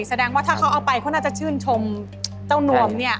แสดงว่าถ้าเขาเอาไปเขาน่าจะชื่นชมเจ้านวมเนี่ย